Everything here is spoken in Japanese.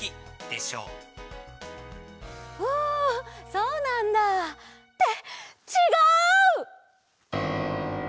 そうなんだ。ってちがう！